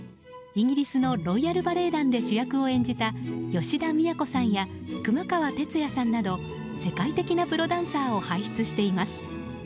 イギリスのロイヤルバレエ団で主役を演じた吉田都さんや熊川哲也さんなど世界的なプロダンサーを輩出しています。